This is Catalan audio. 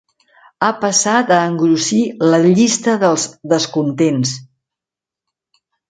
Ha passat a engrossir la llista dels descontents.